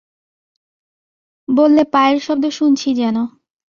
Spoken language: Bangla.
বললে, পায়ের শব্দ শুনছি যেন।